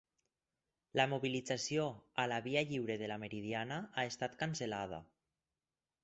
La mobilització a la Via Lliure de la Meridiana ha estat cancel·lada